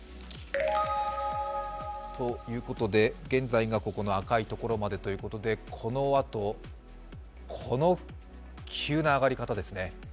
現在がここの赤いところまでということでこのあとこの急な上がり方ですね。